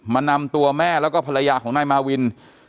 นำตัวแม่แล้วก็ภรรยาของนายมาวิน